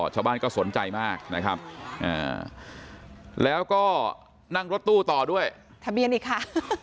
ชาวบ้านก็สนใจมากนะครับแล้วก็นั่งรถตู้ต่อด้วยทะเบียนอีกค่ะ